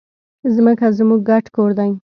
ځمکه زموږ ګډ کور دی.